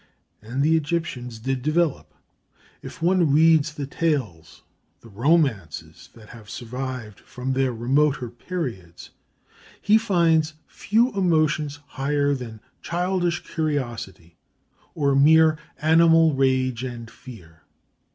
And the Egyptians did develop. If one reads the tales, the romances, that have survived from their remoter periods, he finds few emotions higher than childish curiosity or mere animal rage and fear.